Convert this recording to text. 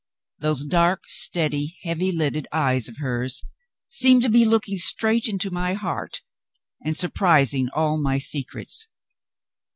Those dark, steady, heavy lidded eyes of hers seemed to be looking straight into my heart, and surprising all my secrets.